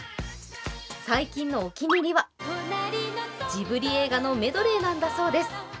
最近のお気に入りはジブリ映画のメドレーなんだそうです。